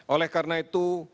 oleh karena itu